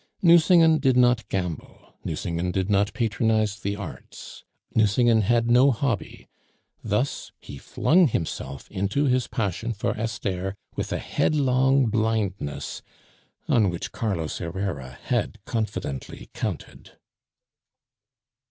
Nucingen did not gamble, Nucingen did not patronize the Arts, Nucingen had no hobby; thus he flung himself into his passion for Esther with a headlong blindness, on which Carlos Herrera had confidently counted.